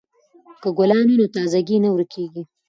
که ګلان وي نو تازه ګي نه ورکیږي.